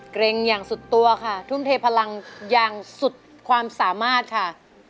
เกร็งอย่างสุดตัวค่ะทุ่มเทพลังอย่างสุดความสามารถค่ะ